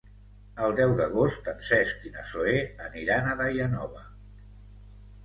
El deu d'agost en Cesc i na Zoè aniran a Daia Nova.